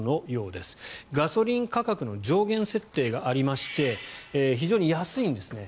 ガソリン価格の上限設定がありまして非常に安いんですね。